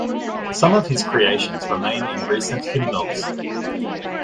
Some of his creations remain in recent hymnals.